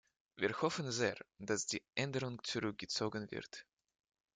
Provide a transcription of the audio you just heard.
Wir hoffen sehr, dass die Änderung zurückgezogen wird."